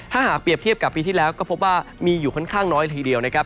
ถ้าหากเปรียบเทียบกับปีที่แล้วก็พบว่ามีอยู่ค่อนข้างน้อยละทีเดียวนะครับ